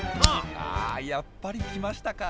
あやっぱり来ましたか。